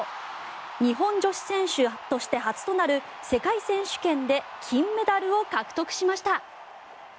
日本女子選手として初となる世界選手権で金メダルを獲得しました。